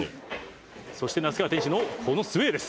「そして那須川天心のこのスエーです。